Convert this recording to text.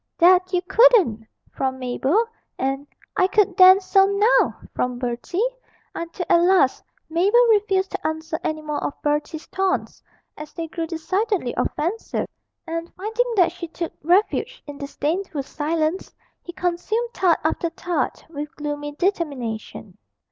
'That you couldn't,' from Mabel, and 'I could then, so now!' from Bertie, until at last Mabel refused to answer any more of Bertie's taunts, as they grew decidedly offensive; and, finding that she took refuge in disdainful silence, he consumed tart after tart with gloomy determination.